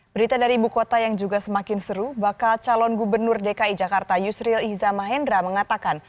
berita dari ibu kota yang juga semakin seru bakal calon gubernur dki jakarta yusril iza mahendra mengatakan